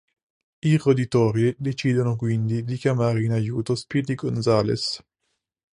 I roditori decidono quindi di chiamare in aiuto Speedy Gonzales.